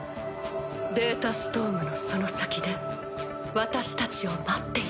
データストームのその先で私たちを待っている。